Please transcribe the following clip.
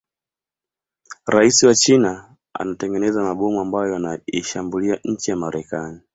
Raisi wa china anatengeneza mabomu ambayo yanaiahambulia nchi ya marekani